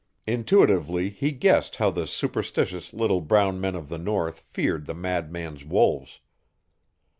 Intuitively he guessed how the superstitious little brown men of the north feared the madman's wolves.